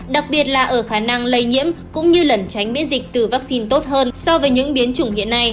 đặc biệt là ở khả năng lây nhiễm cũng như lần tránh miễn dịch từ vaccine tốt hơn so với những biến chủng hiện nay